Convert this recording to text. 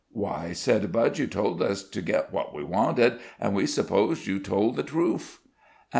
"Why," said Budge, "you told us to get what we wanted, an' we supposed you told the troof."